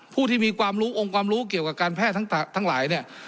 ผู้ที่มีความรู้องค์ความรู้เกี่ยวกับการแพทย์ทั้งหลายเนี่ย